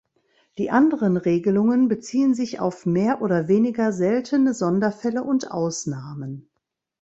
Die anderen Regelungen beziehen sich auf mehr oder weniger seltene Sonderfälle und Ausnahmen.